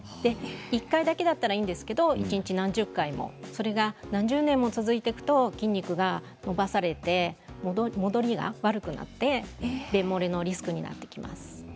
１回だけだったらいいんですけれど一日、何十回もそれが何十年も続いていくと筋肉が伸ばされて戻りが悪くなって便もれのリスクになってきます。